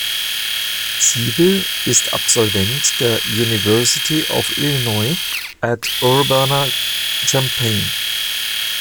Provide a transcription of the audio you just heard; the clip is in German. Siebel ist Absolvent der University of Illinois at Urbana-Champaign.